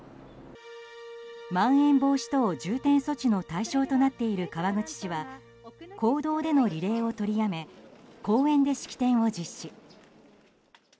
まん延防止等重点措置の対象となっている川口市は公道でのリレーを取りやめ公園で式典を実施。